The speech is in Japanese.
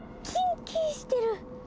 キンキンしてる！